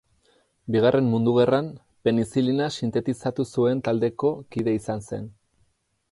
Bigarren Mundu Gerran penizilina sintetizatu zuen taldeko kide izan zen.